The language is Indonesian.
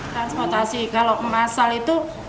transportasi kalau masal itu